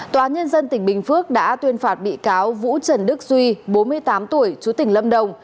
tòa nhân dân tỉnh bình phước đã tuyên phạt bị cáo vũ trần đức duy bốn mươi tám tuổi chú tỉnh lâm đồng